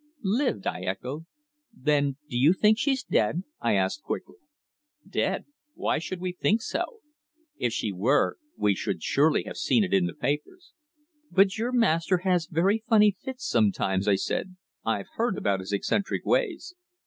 "Lived!" I echoed. "Then do you think she's dead?" I asked quickly. "Dead! Why should we think so? If she were, we should surely have seen it in the papers?" "But your master has very funny fits sometimes," I said. "I've heard about his eccentric ways."